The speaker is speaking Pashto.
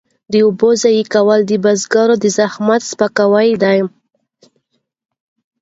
د اوبو ضایع کول د بزګر د زحمت سپکاوی دی.